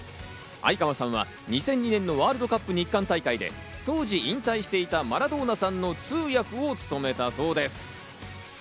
相川さんは２００２年のワールドカップ日韓大会で、当時引退していたマラドーナさんの通訳を務めたそうです。